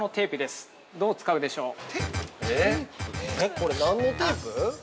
◆これ、何のテープ？